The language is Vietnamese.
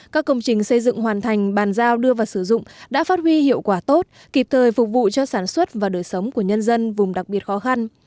các công trình xây dựng hoàn thành bàn giao đưa vào sử dụng đã phát huy hiệu quả tốt kịp thời phục vụ cho sản xuất và đời sống của nhân dân vùng đặc biệt khó khăn